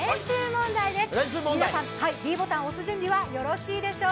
問題です。